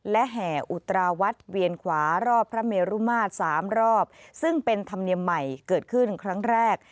และแห่อุตราวัดเวียนขวารอบพระเมรุมาตรสามรอบซึ่งเป็นธรรมเนียมใหม่เกิดขึ้นครั้งแรก